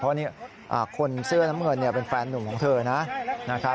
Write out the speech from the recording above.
เพราะคนเสื้อน้ำเงินเป็นแฟนหนุ่มของเธอนะครับ